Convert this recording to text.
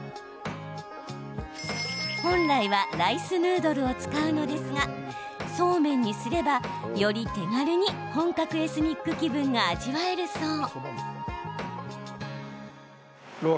本来はライスヌードルを使うのですがそうめんにすればより手軽に本格エスニック気分が味わえるそう。